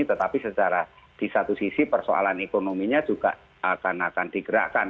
tetapi secara di satu sisi persoalan ekonominya juga akan akan digerakkan